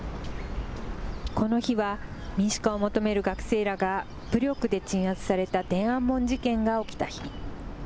この日は、民主化を求める学生らが武力で鎮圧された天安門事件が起きた日。